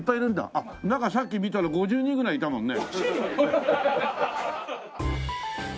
あっ中さっき見たら５０人ぐらいいたもんね。